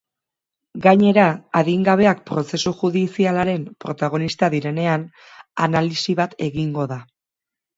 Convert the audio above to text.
Gainera, adingabeak prozesu judizialaren protagonista direnean, analisi bat egingo da.